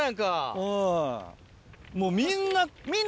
うん。